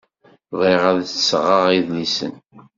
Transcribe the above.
Bɣiɣ ad d-sɣeɣ idlisen.